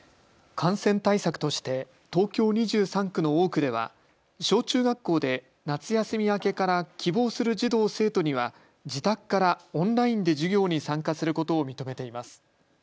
感染対策として東京２３区の多くでは小中学校で夏休み明けから希望する児童生徒には自宅からオンラインで授業に参加することを認めています。